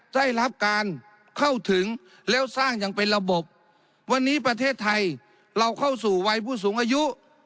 ได้รับการเข้าถึงแล้วสร้างอย่างเป็นระบบวันนี้ประเทศไทยเราเข้าสู่วัยผู้สูงอายุ